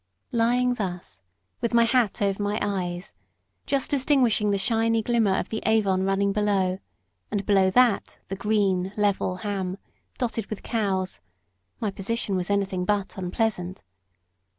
Lying thus, with my hat over my eyes, just distinguishing the shiny glimmer of the Avon running below, and beyond that the green, level Ham, dotted with cows, my position was anything but unpleasant.